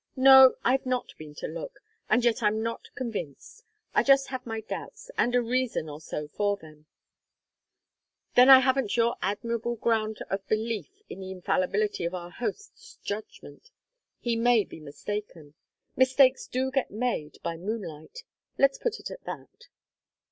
No, I've not been to look, and yet I'm not convinced. I just have my doubts, and a reason or so for them; then I haven't your admirable ground of belief in the infallibility of our host's judgment. He may be mistaken. Mistakes do get made by moonlight. Let's put it at that."